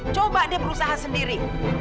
coba dia berusaha sendiri